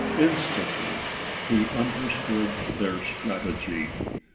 Instantly, he understood their strategy.